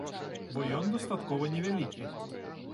Бо ён дастаткова невялікі.